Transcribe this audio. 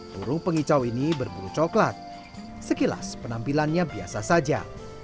burung pengicau ini berburu coklat sekilas penampilannya biasa saja